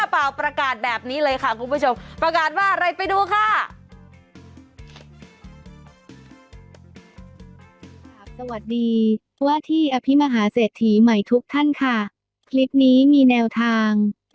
ปล่าวประกาศแบบนี้เลยค่ะคุณผู้ชมประกาศว่าอะไรไปดูค่ะ